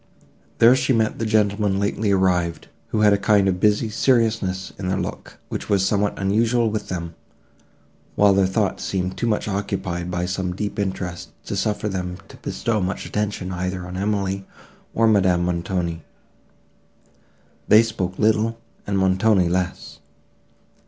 There she met the gentlemen lately arrived, who had a kind of busy seriousness in their looks, which was somewhat unusual with them, while their thoughts seemed too much occupied by some deep interest, to suffer them to bestow much attention either on Emily or Madame Montoni. They spoke little, and Montoni less.